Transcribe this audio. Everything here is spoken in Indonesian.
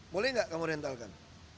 boleh nggak kamu rentalkan